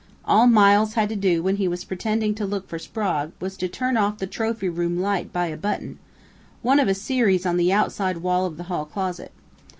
All Miles had to do when he was pretending to look for Sprague was to turn off the trophy room light by a button one of a series on the outside wall of the hall closet.